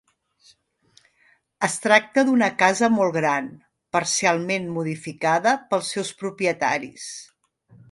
Es tracta d'una casa molt gran, parcialment modificada pels seus propietaris.